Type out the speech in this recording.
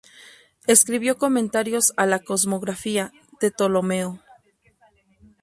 Escribió comentarios a la "Cosmografía" de Ptolomeo.